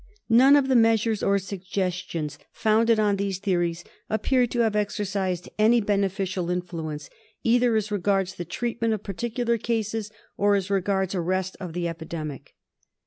None of the measures or suggestions founded on these theories appear to have exercised any beneficial influence, either as regards the treatment of particular cases, or as regards arrest of the epidemic.